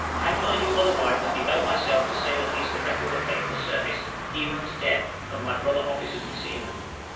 How could I do otherwise than devote myself to save at least the record of faithful service, even unto death, of my brother officers and seamen?